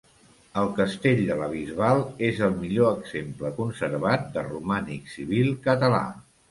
El castell de la Bisbal és el millor exemple conservat de romànic civil català.